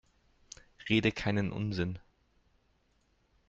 Rede keinen Unsinn!